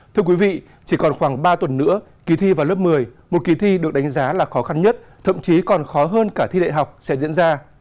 thưa quý vị chỉ còn khoảng ba tuần nữa kỳ thi vào lớp một mươi một kỳ thi được đánh giá là khó khăn nhất thậm chí còn khó hơn cả thi đại học sẽ diễn ra